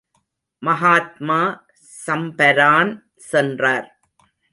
மகாத்மா சம்பரான் சென்றார்.